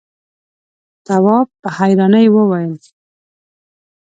تواب په حيرانی وويل: